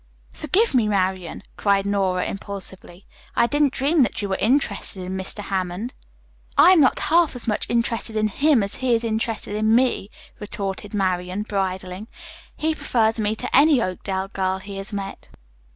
"Forgive me, Marian," cried Nora impulsively. "I didn't dream that you were interested in Mr. Hammond." "I am not half as much interested in him as he is interested in me," retorted Marian, bridling. "He prefers me to any Oakdale girl he has met."